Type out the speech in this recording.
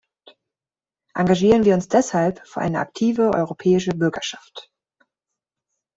Engagieren wir uns deshalb für eine aktive europäische Bürgerschaft!